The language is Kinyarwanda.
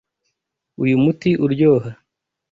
Uyu muti uryoha.